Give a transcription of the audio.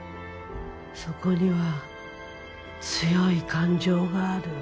そこには強い感情がある。